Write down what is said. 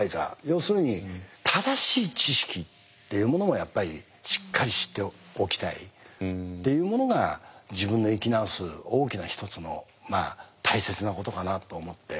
要するに正しい知識っていうものもやっぱりしっかり知っておきたいっていうものが自分の生き直す大きな一つの大切なことかなと思って。